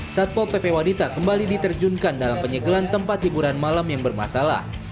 satpol pp wanita kembali diterjunkan dalam penyegelan tempat hiburan malam yang bermasalah